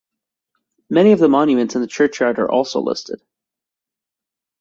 Many of the monuments in the churchyard are also listed.